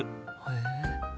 へえ。